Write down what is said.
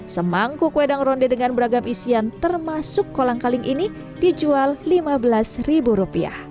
semangkuk wedang ronde dengan beragam isian termasuk kolang kaling ini dijual rp lima belas